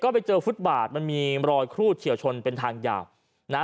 ไปเจอฟุตบาทมันมีรอยครูดเฉียวชนเป็นทางยาวนะฮะ